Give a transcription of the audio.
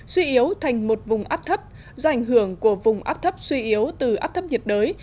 suy yếu thành một vùng áp thấp do ảnh hưởng của vùng áp thấp suy yếu từ áp thấp nhiệt đới